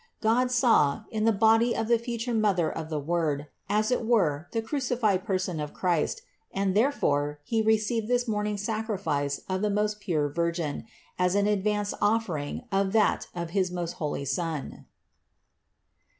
God saw, in the body of the future Mother of the Word, as it were the crucified person of Christ and therefore He received this morning sacrifice of the most pure Virgin as an advance offering of that of his most holy Son.